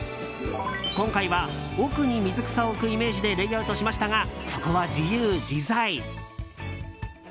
今回は奥に水草を置くイメージでレイアウトしましたがそこは自由自在。